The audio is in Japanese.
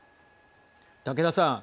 竹田さん。